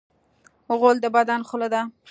غول د بدن خوله ده.